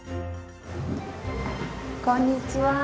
こんにちは。